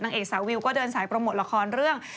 เอกสาววิวก็เดินสายโปรโมทละครเรื่อง